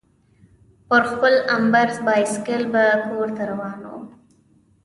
پر خپل امبر بایسکل به کورته روان وو.